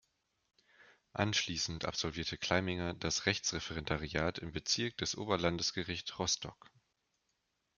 Anschließend absolvierte Kleiminger das Rechtsreferendariat im Bezirk des Oberlandesgericht Rostock.